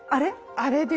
あれ？